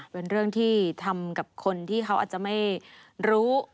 เป็นเรื่องที่ทำกับคนที่เขาอาจจะไม่รู้